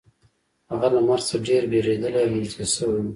هغه له مرګ څخه ډیر ویریدلی او نږدې شوی و